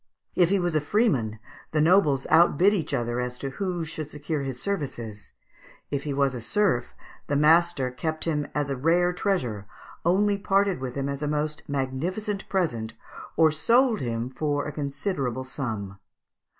If he was a freeman, the nobles outbid each other as to who should secure his services; if he was a serf, his master kept him as a rare treasure, only parted with him as a most magnificent present, or sold him for a considerable sum.